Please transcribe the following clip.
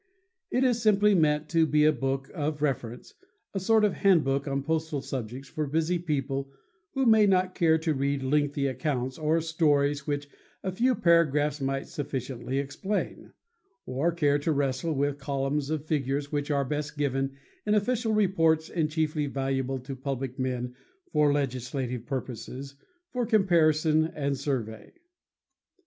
It is simply meant to be a book of reference, a sort of hand book on postal subjects for busy people who may not care to read lengthy accounts or stories which a few paragraphs might sufficiently explain, or care to wrestle with columns of figures which are best given in official reports and chiefly valuable to public men for legislative purposes, for comparison and survey.